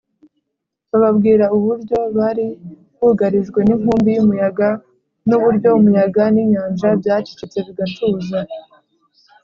bababwira uburyo bari bugarijwe n’inkubi y’umuyaga, n’uburyo umuyaga n’inyanja byacecetse bigatuza